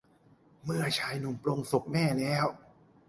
เมื่อชายหนุ่มปลงศพแม่แล้ว